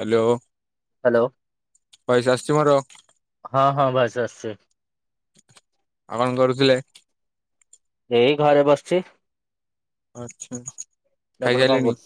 Hello. Hello voice ଆସୁଚି ମୋର? ହଁ ହଁ ଭଏସ ଆସଚି। ଆଉ କଣ କରୁଥିଲେ? ଏଇ ଘରେ ବସିଚି। ଆଛା ଆପଣ କଣ ଖାଇସାରିଲେଣି କରୁଛ?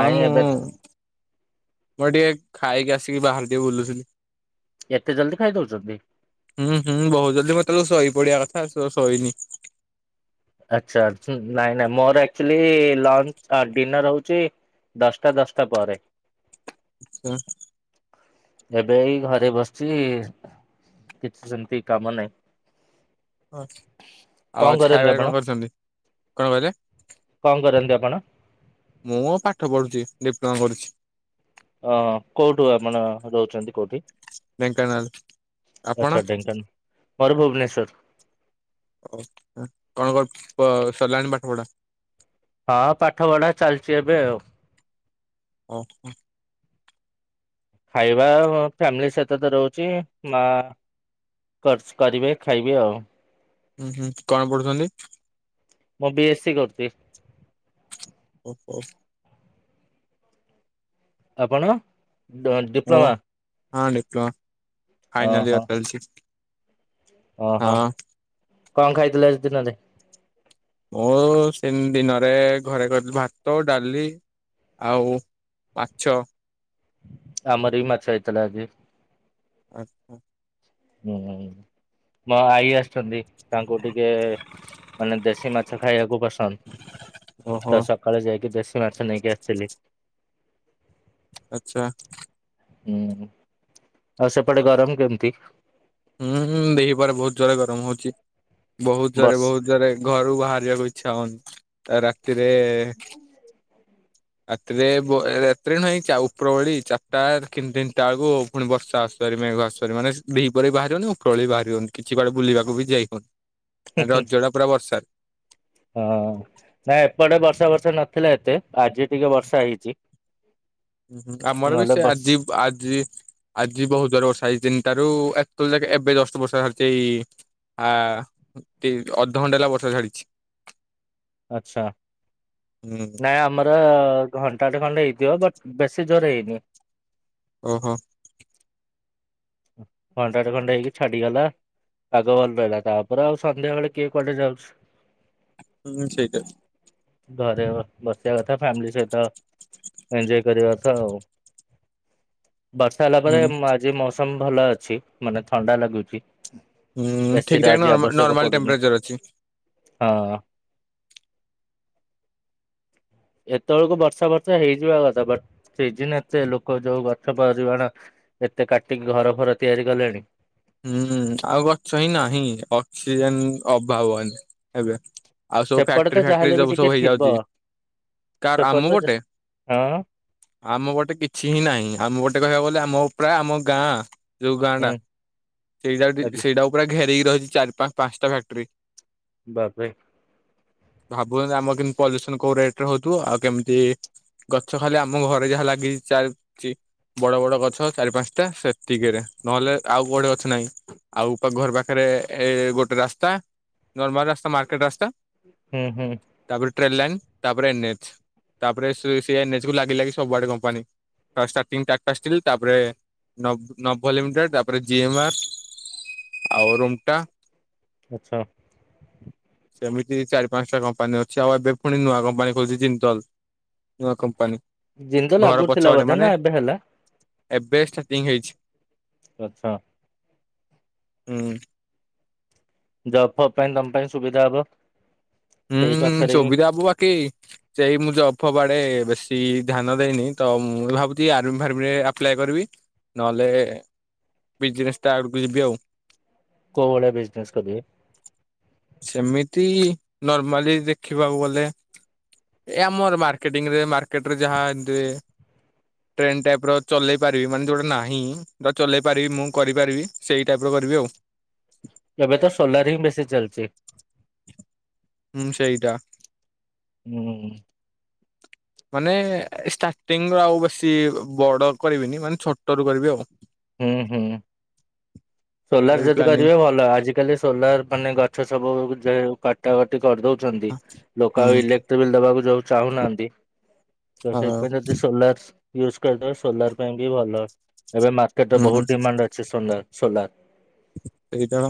ହଁ ମୁଁ ଏବେ ମୋର ଟିକେ ଖାଇକି ଆସିକି ବାହାରେ ଟିକେ ବୁଲୁଥିଲି। ଏତେ ଜଲଦି ଖାଇ ଦଉଚନ୍ତି। ହୁଁ ହୁଁ ବହୁତ ଜଲ୍ଦି ମତେ ଏତବେଳକୁ ସହି ପଡିବା କଥା [unintelligible] ସୋଇନି। ଆଛା। ନାଇଁ ନାଇଁ ମୋର ଆକଚୁଆଲି ଲଞ୍ଚ ଆ ଡିନର ହଉଚି ଦଶଟା ଦଶଟା ପରେ। ହଁ ଏବେ ଏଇ ଘରେ ବସିଚି କିଛି ସେମିତି କାମ ନାହିଁ। ହ କଣ ଆଉ କରନ୍ତି ଖାଇବାରେ ଆପଣ କଣ କରିଚନ୍ତି କଣ କହିଲେ? କଣ କରନ୍ତି ଆପଣ? ମୁଁ ପାଠ ପଢୁଚି ଡିପ୍ଲୋମା କରୁଚି। ଅ କୋଉଠୁ ଆପଣ ରହୁଚନ୍ତି କୋଉଠି? ଢେଙ୍କାନାଳ ଆପଣ? ଆଛା ଢେଙ୍କାନ ମୋର ଭୁବନେଶ୍ୱର। ଓ କଣ କଣ ସଲାଣି ପାଠପଢା। ହଁ ପାଠ ପଢା ଚାଲିଚି ଏବେ ଆଉ। ଓ ହ। ଖାଇବା ଫ୍ୟାମିଲି ସହିତ ତ ରହୁଚି ମା ବାସ କରିବେ ଖାଇବି ଆଉ। ହୁଁ ହୁଁ କଣ ପଢୁଚନ୍ତି? ମୁଁ ବି ଏ ସି କରୁଚି। ଓହୋ। ଆପଣ ଡ଼ ମୁଁ ଡିପ୍ଲୋମା। ହଁ ଡିପଲୋମା ଫାଇନାଲ ଓହୋ ଇୟର ଚାଲିଚି। ଓହୋ। କଣ ଖାଇଥିଲ ଆଜି ଦିନରେ? ମୁଁ ସେ ଦିନରେ ଘରେ କଥିଲି ଭାତ ଡାଲି। ଆଉ ପାଛ। ଆମରବି ମାଛ ହେଇଥିଲା ଆଜି। ଆଚ୍ଛା ହୁଁ। ମୋ ଆଈ ଆସିଚନ୍ତି। ତାଙ୍କୁ ଟିକେ ମାନେ ଦେଶୀ ମାଛ ଖାଇବାକୁ ପସନ୍ଦ। ଓହୋ ତ ସକଳେ ଯାଇକି ଦେଶୀ ମାଛ ନେଇକି ଆସିଥିଲି। ଆଛା। ହୁଁ ଆଉ ସେପଟେ ଗରମ କେମିତି। ହୁଁ ହୁଁ ଦିପହରେ ବହୁତ ଜୋରେ ଗରମ ହଉଚି। ବହୁତ ଜୋରେ ବର୍ଷ ବହୁତ। ଯୋଉରା କି ଘରୁ ବାହାରିବାକୁ ଇଚ୍ଛା ହଉନି ରାତିରେ ରାତିରେ ବୋ ରାତିରେ ନାଇ ଚା ଉପର ଓଳି ଚାରିଟା ନ ତିନିଟା ବେଳକୁ ପୁଣି ବର୍ଷା ଆସୁରେ ମେଘ ଆସୁ ମାନେ ଦିପରରେ ବି ବାହାର ହନିଉ ବି ଉପର ଓଳି ବାହାର ହଉନି କିଛି କୁଆଡେ ବୁଲି ବାକୁ ବି ଯାଇ ହଉନି। ଆ ରଜ ଟା ପୁରା ବର୍ଷାରେ। ହଁ ନା ଏପଟେ ବର୍ଷା ବର୍ଷା ନଥିଲା ଏତେ ଆଜି ଟିକେ ବର୍ଷା ହେଇଚି। ହ ହଁ ହୁଁ ଆମର ବି ସେ ଆଜି ଆଜି ଆଜି ବହୁତ ଜର ରେ ବର୍ଷା ହେଇଚି। ତିନଟାରୁ ଏତୋଳ ଯାକେ ଏବେ ଜଷ୍ଟ ବର୍ଷା ଛାଡ଼ିଚି ଏଇ ଆ ଅଧଘଣ୍ଟା ହେଲା ବର୍ଷା ଛାଡିଛି। ଆଛା। ହୁଁ ନାଇଁ ଆମର ଘଣ୍ଟାଟେ ଖଣ୍ଡେ ହେଇଥିବ ବଟ୍ ବେଶୀ ଜୋରେ ହେଇନି। ଓହୋ। ଘଣ୍ଟାଟେ ଖଣ୍ଡେ ହେଇକି ଛାଡିଗଲା। ପାଗଭଲ ରହିଲା ତାପରେ ଆଉ ସନ୍ଧ୍ୟାବେଳେ କିଏ କୁଆଡେଯାଉଛି। ହୁଁ ସେଇଟା। ଘରେ ବସିବା କଥା ଫ୍ୟାମିଲି ସହିତ ଏଞୟ କରିବା କଥା ଆଉ। ବାସ୍। କଥା ହୁଁ ହେଲାପରେ ଆଜି ମୌସମ ଭଲ ଅଛି, ମାନେ ଥଣ୍ଡା ଲାଗୁଛି। ହୁଁ ଠିକ ଠାକ ଏସିରଆଜି ନର୍ମା ଆଵଶ୍ୟକ ନର୍ମାଲ ପଡ଼ୁନି। ଟେମ୍ପରେଚର ଅଛି। ଅ। ଏତେବେଳକୁ ବର୍ଷା ବର୍ଷା ହେଇଯିବା କଥା, ବଟ୍ ସିଜିନ୍ ଏତେ ଲୋକ ଯୋଉ ଗଛ ପରିମାଣ ଏତେ କାଟିକି ଘର ଫର ତିଆରି କଲେଣି। ହୁଁ ଆଉ ଗଛ ହିଁ ନାହିଁ। ଅକ୍ସିଜେନ୍ ଅଭାବ ଏନେ ଏବେ ଆଉ ସବୁ ସେପଟେ ଫ୍ୟାକ୍ଟ୍ରି ତ ଫ୍ୟାକ୍ଟ୍ରି ଯାହାହେଲେବି ସବୁ ଟିକେ ସବୁ ଥିବ, ହେଇଯାଉଛି କାର ଆମ ସେପଟେ ତ ପଟେ ହଁ। ଆମ ପଟେ କିଛି ହିଁ ନାହିଁ ଆମ ପଟେ କହିବାକୁ ଗଲେ ପ୍ରାୟ ଆମ ଗାଁ ଯୋଉ ଗାଁ ହୁଁ ଟା ସେଇଟା ଆଜ୍ଞା ସେଇଟା କୁ ପୁରା ଘେରକି ରହିଛି ଚାରି ପା ପାଞ୍ଚଟା ଫ୍ୟାକ୍ଟ୍ରି। ବା ବେ ଭାବୁଛନ୍ତି ଆମର କେମତି ପଲ୍ୟୁସନ କୋଉ ରେଟ୍ ରେ ହେଉଥିବ। ଆଉ କେମିତି ଗଛ ଖାଲି ଆମ ଘରେ ଯାହା ଲାଗିଛି ଚାରି ଚି ବଡ ବଡ଼ ଗଛ ଚାରି ପାଞ୍ଚଟା ଏଟା ସେତିକିରେ, ନହେଲେ ଆଉ କୁଆଡେ ଅଛି ନାଇଁ ଆଉ ତାଙ୍କ ଘର ପାଖରେ ଏ ଗୋଟେ ରାସ୍ତା ନର୍ମାଲ ରାସ୍ତା ମାର୍କେଟ ରାସ୍ତା ହୁଁ ହୁଁ। ତାପରେ ଟ୍ରେନ୍ ଲାଇନ୍, ତାପରେ ଏନ୍ ଏଚ୍, ତାପରେ ସେ ଏନ୍ ଏଚ୍ କୁ ଲାଗ ଲାଗି ସବୁଆଡେ କମ୍ପାନୀ। ଫାଷ୍ଟ ଷ୍ଟାର୍ଟିଂ ଟାକ୍ଟାଷ୍ଟିଲ୍ ତାପରେ ନବ ଲିମିଟେଡ଼ ତାପରେ ଜିଏମ୍ ଆର୍ ଆଉ ରୁମ୍ଟା ଆଚ୍ଛା। [unintelligible] ସେମିତି ଚାରି ପାଞ୍ଚଟା କମ୍ପାନୀ ଅଛି, ଆଉ ଏବେ ପୁଣି ନୂଆ କମ୍ପାନୀ ଖୋଲିୁଛି ଜିନ୍ନ୍ଦଲ୍। ନୂଆ କମ୍ପାନୀ। ଜିନ୍ନ୍ଦଲ୍ ଘର ପଛପଟେ ଆଗରୁଥିଲାବୋଧେ ମାନେ ନା ଏବେ ହେଲା? ଏବେ ଷ୍ଟାର୍ଟିଂ ହେଇଛି। ଆଛା। ହୁଁ। ଜବ୍ ଫବ୍ ପାଇଁ ତମ ପାଇଁ ସୁବିଧା ହବ। ସେଇ ହୁଁ ପାଖରେ ହିଁ ସୁବିଧା ହବୁ ବାକି ସେଇ ମୁଁ ଜଫ୍ ଫଫ୍ ଆଡେ ବେଶୀ ଧ୍ୟାନ ଦେଇନି ତ ମୁଁ ଭାବୁଛି ଆର୍ମି ଫାର୍ମିରେ ଆପ୍ଲାଇ କରିବି ନହେଲେ ବିଜିନେସ୍ ଟା ‌ ଆଡକୁ ଯିବି ଆଉ। କୋଉ ଭଳିଆ ବିଜିନେସ୍ କରିବେ? ସେମିତି ନର୍ମାଲି ଦେଖିବାକୁ ଗଲେ ଏ ଆମର ମାର୍କେଟିଂ ରେ ମାର୍କେଟ ରେ ଯାହା ଏମିତି ହୁଏ। ଟ୍ରେନ୍ ଟାଇପ୍ ର ଚଲେଇ ପାରିବି, ମାନେ ଯୋଉଟା ନାହିଁ ତ ଚଲେଇ ପାରିବି ମୁଁ କରିପାରିବି ସେଇ ଟାଇପିର କରିବି ଆଉ। ଏବେ ତ ସୋଲାର ହିଁ ବେଶୀ ଚାଲିଛି। ହୁଁ ସେଇଟା ହୁଁ। ମାନେ ଷ୍ଟାର୍ଟିଂରୁ ଆଉ ବେଶୀ ବଡ କରିବିନି ମାନେ ଛୋଟ ରୁ କରିବି ଆଉ। ହୁଁ ହୁଁ ସୋଲାର ଯଦି ପ୍ଲାନିଂ କରିବେ ଭଲ ଆଜି ଆଜ କାଲି ସୋଲାର ମାନେ ଗଛ ସବୁ ଯେ ଉ କାଟ କଟାକଟି କରିଦଉଛନ୍ତି ଲୋକ ହୁଁ ଆଉ ଇଲେକ୍ଟ୍ରିକ ବିଲ୍ ଦବାକୁ ଯୋଉ ଚାହୁଁନାହାନ୍ତି ତ ସେଇଥି ହଁ ପାଇଁ ସୋଲାରଶ୍ ୟୁଜ୍ କରିଦେବା ସୋଲାର ପାଇଁ ବି ଭଲ ଏବେ ମାର୍କେଟରେ ହୁଁ ବହୁତ ଡିମାଣ୍ଡ ଅଛି ସୋଲାର ସୋଲାର। ଏଇଟା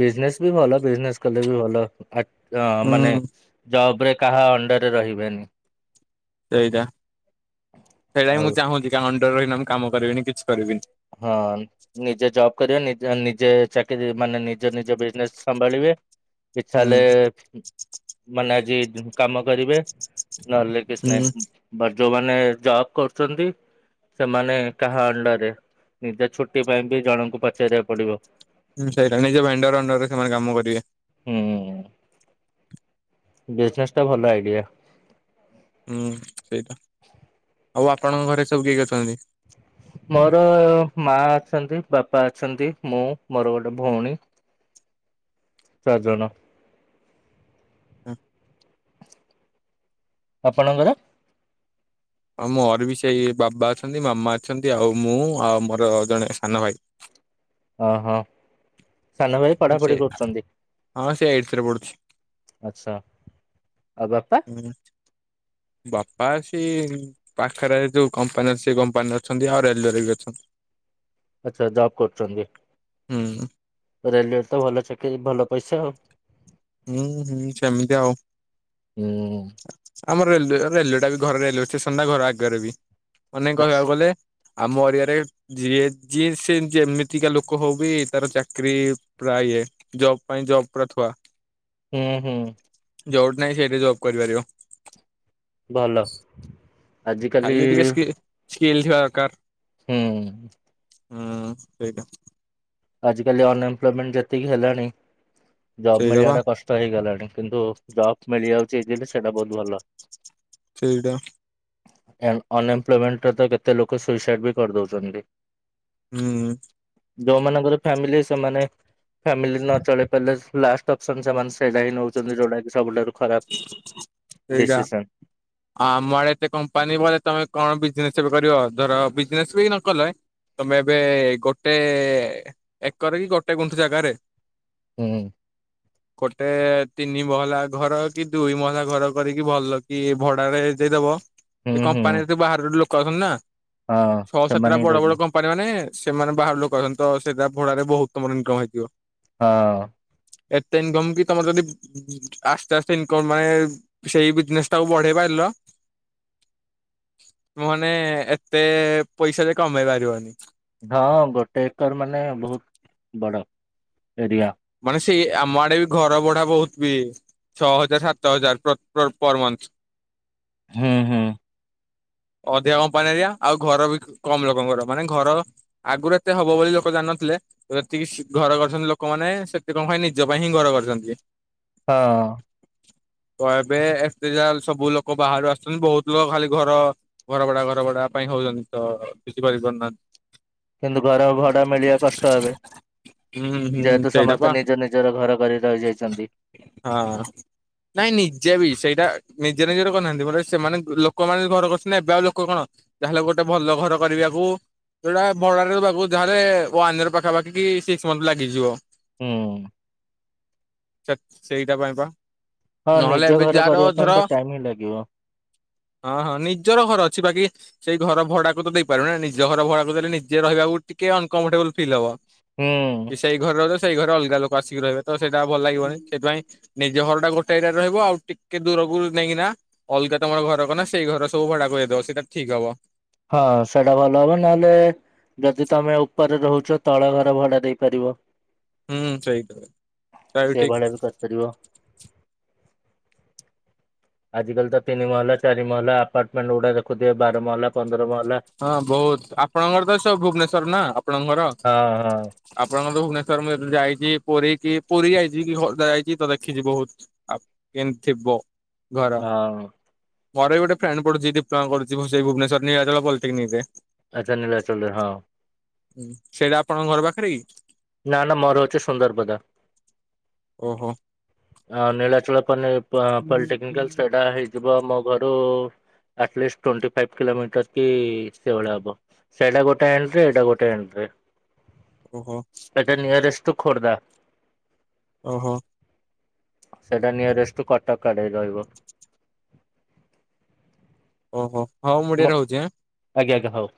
ବିଜନେସ ବି ଭଲ ବିଜନେସ କଲେ ବି ଭଲ ଫା ମାନେ ହୁଁ। ଜବ୍ ରେ କାହା ଅଣ୍ଡରରେ ରହିବେନି। ସେଇଟା ସେଇଟା ହିଁ ଆଉ ମୁଁ ଚାହୁଁଛି କାହା ଅଣ୍ଡରରେ ରହିନା ମୁଁ କାମ କରିବିନି କିଛି କରିବିନି। ହ ନ ନିଜେ ଜବ୍ କରିବେ ନିଜ ନିଜେ ଚାକିର ମାନେ ନିଜ ନିଜ ବିଜନେସ ସମ୍ଭାଳିବେ। ଇଛା ହେଲେ ହୁଁ ମାନେ ଆଜି କାମ କରିବେ ନହେଲେ କିଛି ନାଇଁ ବଟ୍ ଯୋଉମାନେ ଜବ କରୁଛନ୍ତି ସେମାନେ କାହା ଅଣ୍ଡରରେ ନିଜ ଛୁଟି ପାଇଁ ବି ଜଣଙ୍କୁ ପଚାରିବାକୁ ପଡିବ। ହୁଁ ସେଇଟା ନିଜ ଭେଣ୍ଡର ଅଣ୍ଡରରେ ସେମାନେ କାମ କରିବେ। ହୁଁ ବିଜିନେସ ଟା ଭଲ ଆଇଡିଆ। ହୁଁ ସେଇଟା, ଆଉ ଆପଣଙ୍କ ଘରେ ସବୁ କିଏ କିଏ ଅଛନ୍ତି? ମୋର ମା ଅଛନ୍ତି, ବାପା ଅଛନ୍ତି, ମୁଁ ମୋର ଗୋଟେ ଭଉଣୀ ଚାରି ଜଣ। ହା ଆପଣଙ୍କ ଘରେ? ହଁ ମୋରବି ସେଇ ବାବା ଅଛନ୍ତି ମାମା ଅଛନ୍ତି ଆଉ ମୁଁ ଆଉ ମୋର ଜଣେ ସାନ ଭାଇ। ଅ ହଁ ସାନ ଭାଇ ସେ ପଢାପଢି କରୁଚନ୍ତି, ହଁ ସେ ଏଇଟଥରେ ପଢୁଛି ଆଚ୍ଛା। ଆଉ ବାପା ହୁଁ ବାପା ଅଛି ପାଖରେ ଯୋଉ କମ୍ପାନୀ ଅଛି ସେ କମ୍ପାନୀ ଅଛନ୍ତି ଆଉ ରେଲୱରେ ବି ଅଛନ୍ତି। ଆଚ୍ଛା ଜବ୍ କରୁଚନ୍ତି, ହୁଁ ରେଲୱରେ ତ ଭଲ ଚାକିରି ଭଲ ପଇସା ଆଉ। ହୁଁ-ହୁଁ- ସେମିତି ଆଉ। ହୁଁ ଆମର ରେଲୱେ ଟା ବି ଘରେ ରେଲୱେ ଷ୍ଟେସନ ଟା ଘର ଆଗରେ ବି। ମାନେ ଆଛା କହିବାକୁ ଗଲେ ଆମ ଏରିଆରେ ଯିଏ ଯିଏ ସେ ଯେମିତିକା ଲୋକ ହଉ ବି ତାର ଚାକିରୀ ପ୍ରାୟେ ଇଏ। ଜବ୍ ପାଇଁ ଜବ୍ ପୁରା ଥୁଆ। ଉଁ-ହୁଁ ଯୋଉଠି ନାଇଁ ସେଇଠି ଜବ୍ କରିପାରିବ। ଭଲ। ଖାଲି ଟିକେ ଆଜିକାଲି ସ୍କିଲ୍ ସ୍କିଲ୍ ଥିବା ଦରକାର। ହୁଁ ହୁଁ- ସେଇଟା। ଆଜିକାଲି ଅନଏମ୍ପ୍ଲୟମେଣ୍ଟ ଯେତିକି ହେଲାଣି ଜବ୍ ସେଇଟା ମିଳିବା ବା ଟା କଷ୍ଟ୍। ତ ହେଇଗଲାଣି କିନ୍ତୁ ଜବ୍ ମିଳିଯାଉଚି ଇଯିଲି ସେଇଟା ବହୁତ୍ ଭଲ। ସେଇଟା। ଅନଏମ୍ପ୍ଲୟମେଣ୍ଟରେ ତ କେତେ ଲୋକ ସୁଇସାଇଡ ବି କରିଦଉଚନ୍ତି। ହୁଁ। ଯୋଉମାନଙ୍କର ଫ୍ୟାମିଲି ସେମାନେ ଫ୍ୟାମିଲି ନ ଚଳେଇ ପାରିଲେ ଲାଷ୍ଟ ଅପସନ ସେମାନେ ସେଇଟା ହିଁ ନଉଚନ୍ତି ଯଉଟା କି ସବୁଠାରୁ ଖରାପ ସେଇଟା। ଡିସିସନ। ଆ ଆମର ଏତେ କମ୍ପାନୀ ବଲେ ତମେ କଣ ବିଜନେସ ଏବେ କରିବ ଧର ବିଜନେସ ବି ନ କଲେ ତମେ ଏବେ ଗୋଟେ ଏକର କି ଗୋଟେ ଗୁଁଠୁ ଜାଗାରେ ହୁଁ। ଗୋଟେ ତିନି ମହଲା ଘର କି ଦୁଇ ମହଲା ଘର କରିକି ଭଲ କି ଭଡାରେ ଦେଇଦବ ହୁଁ ହୁଁ କମ୍ପାନୀରେ ବାହାର ଲୋ କରନା ହଁ ଛଅ ସାତଟା ସେମାନେ ବଡ ରହିଯିବ ବଡ କ ମାନେ ସେମାନେ ବାହାରୁ ଲୋକ ଆସନ୍ତି ତ ସେଟା ଭଡାରେ ବହୁତ ତମର ଇନକମ ହେଇଥିବ। ହଁ। ଏତେ ଇନକମ୍ କି ତମର ଯଦି ଆସ୍ତେ ଆସ୍ ଇନ୍କମ୍ ମାନେ ସେଇ ବିଜନେସ ଟାକୁ ବଢେଇ ପାରିଲ ମୁଁ ମାନେ ଏତେ ପଇସା ଯେ କମେଇ ପାରିବନି। ହଁ ଗୋଟେ ଏକର ମାନେ ବହୁତ ବଡ଼ ଏରିଆ। ମାନେ ସେଇ ଆମ ଆଡେ ବି ଘର ଭଡ଼ା ବହୁତ ବି। ଛଅ ହଜାର ସାତର ହଜାର ପ୍ର ପର ମନ୍ଥ। ହୁଁ ହୁଁ। ଅଧିକ କମ୍ପାନୀ ଏରିଆ ଆଉ ଘର ବି କମ ଲୋକଙ୍କର ମାନେ ଘର ଆଗୁରୁ ଏତେ ହବ ବୋଲି ଲୋକ ଜାନଥିଲେ ଯେତିକି ଘର କରିଛନ୍ତି ଲୋକମାନେ ସେତେ କଣ ନିଜ ପାଇଁ ହିଁ ଘର କରିଛନ୍ତି। ହଁ। କହିବେ ଏତେ ଯା ସବୁ ଲୋକ ବାହାରୁ ଆସୁଛନ୍ତି ବହୁତ ଲୋକ ଖାଲି ଘର ଘର ବଡା ଘର ବଡା ପାଇଁ ହଉଛନ୍ତି ତ କିଛି କରି ପାରୁନାହାନ୍ତି। କିନ୍ତୁ ଘର ଭଡା ମିଳିବା କଷ୍ଟ ଏବେ ହୁଁ ହୁଁ ଯେହେତୁ ସେଇଟା ପା ସମସ୍ତେ ନିଜ ନିଜର ଘର କରି ରହିଯାଇଛନ୍ତି। ହଁ। ନାଇଁ ନିଜେ ବି ସେଇଟା ନିଜେ ନିଜରେ କରିନାହାନ୍ତି ମାନେ ସେମାନେ ଲୋକମାନେ ଘର କରଛନ୍ତି ଏବେ ଆଉ ଲୋକ କଣ ଯାହେଲେ ଗୋଟେ ଭଲ ଘର କରିବାକୁ ସେଇଟା ଭଡାରେବାକୁ ଯାହେଲେ ୱାନ୍ ଇୟର ପାଖାପାଖି କି ସିକ୍ସ ମନ୍ଥ ଲାଗିଯିବ। ହୁଁ। ଚକ୍ ସେଇଟା ପାଇଁ ପା ହଁ ନହେଲେ ନିଜ ଏବେ ଘର ଯାହାର କରିବା ପାଇଁ ଧର ତ ଟାଇମ ହିଁ ଲାଗିବ ହଁ ହଁ ନିଜର ଘର ଅଛି, ବାକି ସେଇ ଘର ଭଡାକୁ ତ ଦେଇପାରିବୁନି ନିଜ ଘର ଭଡାକୁ ଦେଲେ ନିଜେ ରହିବାକୁ ଟିକେ ଅନକମ୍ଫର୍ଟେବଲ ଫିଲ୍ ହବ। ହୁଁ କି ସେଇ ଘରେ ରହୁଛ ସେଇ ଘରେ ଅଲଗା ଲୋକ ଆସିକି ରହିବେ ତ ସେଇଟା ଭଲ ଲାଗିବନି, ସେଇଥିପାଇଁ ନିଜ ଘର ଟା ଗୋଟେ ଏରିଆରେ ରହିବ ଆଉ ଟିକେ ଦୂରକୁ ନେଇକିନା ଅଲଗା ତମର ଘର କ ନା ସେଇ ଘର ସବୁ ଭଡାକୁ ଦେଇଦବ ସେଇଟା ଠିକ ହବ। ହଁ ସେଟା ଭଲ ହବ, ନହେଲେ ଯଦି ତମେ ଉପରେ ରହୁଛ ତଳ ଘର ଭଡା ଦେଇପାରିବ। ହୁଁ ସେଇଟା ସେଟା ସେ ଠିକ ଭଳିଆ ବି କରିପାରିବ। ଆଜିକାଲି ତ ତିନି ମହଲା ଚାରି ମହଲା ଆପାର୍ଟମେଣ୍ଟ ଗୁଡା ଦେଖୁଥିବେ ବାର ମହଲା ପନ୍ଦର ମହଲା। ହଁ ବହୁତ ଆପଣଙ୍କର ତ ସ ଭୁବନେଶ୍ଵର ନା ଆପଣଙ୍କ ଘର? ହଁ ହଁ ଆପଣଙ୍କର ଭୁବନେଶ୍ଵର ମୁଁ ଯାଇଚି ପୁରୀ କି ପୁରୀ ଯାଇଚି କି ଖୋର୍ଦ୍ଧା ଯାଇଚି ତ ଦେଖିଚି ବହୁତ। ଆ କେମତି ଥିବ ଘର୍ ହଁ। ପରେ ଗୋଟେ ଫ୍ରେଣ୍ଡ ପଢୁଛି ଡିପ୍ଲୋମା କରୁଛି ସେ ଭୁବନେଶ୍ୱର ନିଳ ପଲିଟେନିକ୍ ରେ। ଆଚ୍ଛ ନୀଳାଚଳ ରେ ହଁ। ହୁଁ ସେଇଟା ଆପଣଙ୍କ ଘର ପାଖରେ କି? ନା ନା ମୋର ହୋଉଚି ସୁନ୍ଦର ପଦ। ଓହୋ। ନୀଳାଚଳ ପନେ ପଲ୍ଟିକାଲ୍ ଟି ହେଇଯିବ ମୋ ଘରୁ at least twenty five kilometre କି ସେଇଭଳିଆ ହବ। ସେଇଟା ଗୋଟେ ଏଣ୍ଟ୍ରି ଏଇଟା ଗୋଟେ ଏଣ୍ଟ୍ରି। ଓହୋ। ହେଟା ନିୟରେଷ୍ଟ ଟୁ ଖୋର୍ଦ୍ଧା। ଓହୋ। ସେଇଟା ନିୟରେଷ୍ଟ ଟୁ କଟକ ଆଡେ ରହିବ। ଓହୋ ହୋଉ ମୁଁ ମୋ ଟିକେ ରହୁଚି ଆଁ। ଆଜ୍ଞା ଆଜ୍ଞା ହୋଉ।